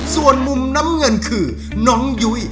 ส่วนมุมน้ำเงินคือน้องยุ้ย